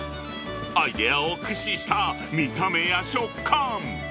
アイデアを駆使した見た目や食感。